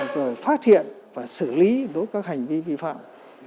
rồi phát hiện và xử lý đối với các hành vi vi phạm